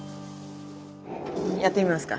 やってみますか。